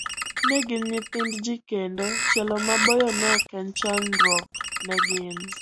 Ne gin nyithind ji kendo, tielo maboyo ne ok en chandruok ne gin.